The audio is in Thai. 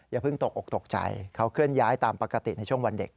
เพิ่งตกออกตกใจเขาเคลื่อนย้ายตามปกติในช่วงวันเด็ก